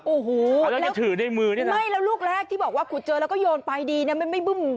โอ้โหแล้วลูกแรกที่บอกว่าคุณเจอแล้วก็โยนไปดีมันไม่บึ้ม